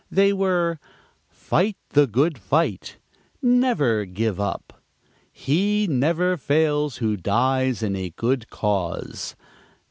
They were: "Fight the good fight." "Never give up." "He never fails who dies in a good cause."